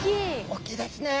大きいですね。